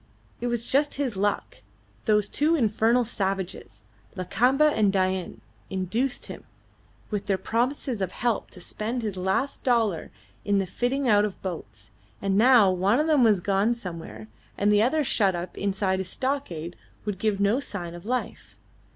It was just his luck! Those two infernal savages, Lakamba and Dain, induced him, with their promises of help, to spend his last dollar in the fitting out of boats, and now one of them was gone somewhere, and the other shut up in his stockade would give no sign of life.